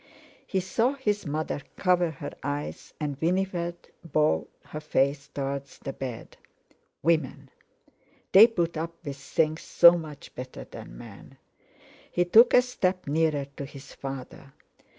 He saw his mother cover her eyes and Winifred bow her face towards the bed. Women! They put up with things so much better than men. He took a step nearer to his father.